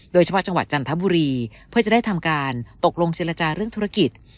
จังหวัดจันทบุรีเพื่อจะได้ทำการตกลงเจรจาเรื่องธุรกิจ